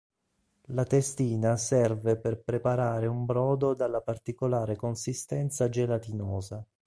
La testina serve per preparare un brodo dalla particolare consistenza gelatinosa.